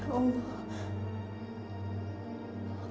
aku harus gerak dulu